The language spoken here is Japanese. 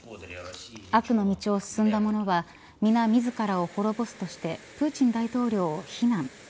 悪の道を進んだものは皆、自らを滅ぼすとしてプーチン大統領を非難。